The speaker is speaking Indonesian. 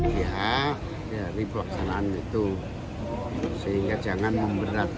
karena itu kita harus evaluasi dan tidak membuat beban baru